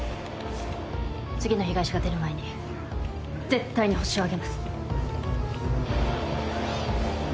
次の被害者が出る前に絶対にホシを挙げます！